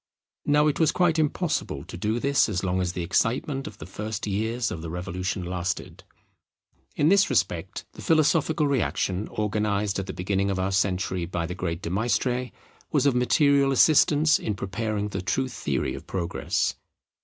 Now it was quite impossible to do this as long as the excitement of the first years of the revolution lasted. In this respect the philosophical reaction, organized at the beginning of our century by the great De Maistre, was of material assistance in preparing the true theory of Progress.